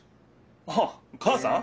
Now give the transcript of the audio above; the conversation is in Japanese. あっ母さん？